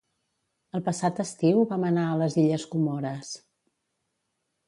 El passat estiu vam anar a les illes Comores